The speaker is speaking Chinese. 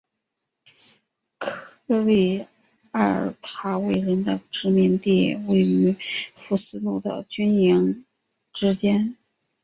科利埃尔塔维人的殖民地位于福斯路的军队营地之间。